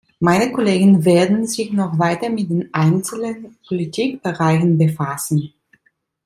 Meine Kollegen werden sich noch weiter mit den einzelnen Politikbereichen befassen.